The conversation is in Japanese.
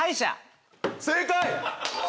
正解！